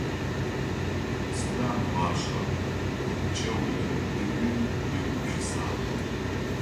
Сыда мы гъашӀэм купкӀэу иӀэр?- ыӀуи егупшысагъ.